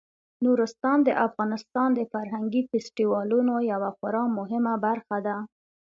نورستان د افغانستان د فرهنګي فستیوالونو یوه خورا مهمه برخه ده.